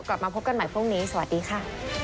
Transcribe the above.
กลับมาพบกันใหม่พรุ่งนี้สวัสดีค่ะ